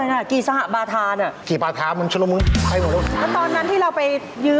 ของที่พิชาธิ์เอามาจำนำคือ